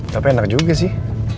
tapi enak juga sih